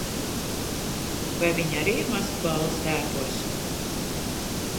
Vai viņi arī ir maskuballes tērpos?